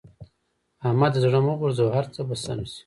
احمده! زړه مه غورځوه؛ هر څه به سم شي.